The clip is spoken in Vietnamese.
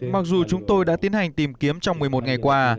mặc dù chúng tôi đã tiến hành tìm kiếm trong một mươi một ngày qua